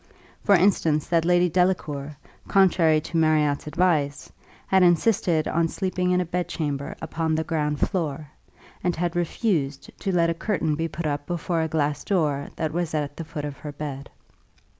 For instance, that Lady Delacour, contrary to Marriott's advice, had insisted on sleeping in a bedchamber upon the ground floor, and had refused to let a curtain be put up before a glass door that was at the foot of her bed.